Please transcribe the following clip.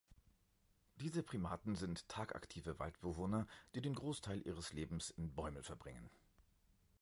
Diese Primaten sind tagaktive Waldbewohner, die den Großteil ihres Lebens im Bäumen verbringen.